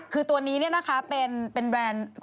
คือตัวนี้นะครับคือเป็นแบรนด์